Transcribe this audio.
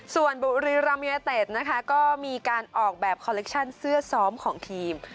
ส่วนบุรีรัมยูเนเต็ดนะคะก็มีการออกแบบคอลเลคชั่นเสื้อซ้อมของทีม